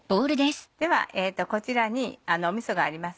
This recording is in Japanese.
ではこちらにみそがあります。